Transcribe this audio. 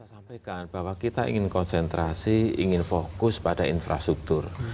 saya sampaikan bahwa kita ingin konsentrasi ingin fokus pada infrastruktur